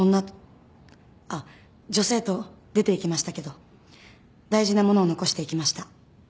あっ女性と出ていきましたけど大事なものを残していきました。